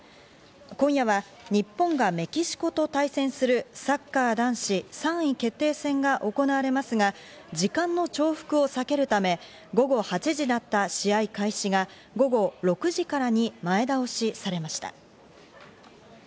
今夜は日本がメキシコと対戦するサッカー男子３位決定戦が行われますが、時間の重複を避けるため午後８時だった試合開始が午後６時からに前倒しされました。